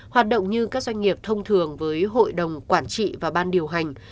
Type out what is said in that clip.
hoạt động như các doanh nghiệp thông thường với hội đồng quản trị và ban điều hành